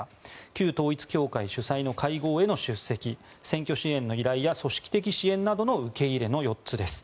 旧統一教会主催の会合への出席選挙支援の依頼や組織的支援などの受け入れ４つです。